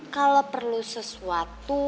kalau perlu sesuatu